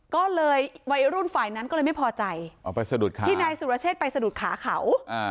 ก็เลยวัยรุ่นฝ่ายนั้นก็เลยไม่พอใจสะดุดขาที่นายสุรเชษไปสะดุดขาเขา